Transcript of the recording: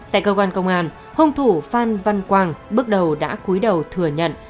tại cơ quan công an hông thủ phan văn quang bước đầu đã cuối đầu thừa nhận